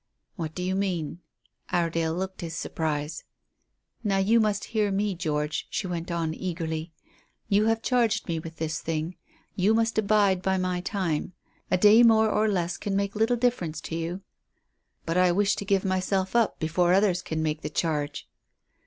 "What do you mean?" Iredale looked his surprise. "Now you must hear me, George," she went on eagerly. "You have charged me with this thing. You must abide by my time. A day more or less can make little difference to you." "But I wish to give myself up before others can make the charge."